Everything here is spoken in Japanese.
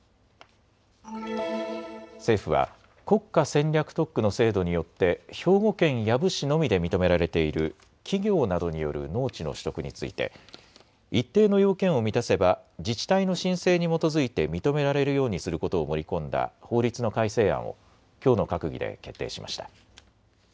政府は国家戦略特区の制度によって兵庫県養父市のみで認められている企業などによる農地の取得について一定の要件を満たせば自治体の申請に基づいて認められるようにすることを盛り込んだ法律の改正案をきょうの閣議で決定しました。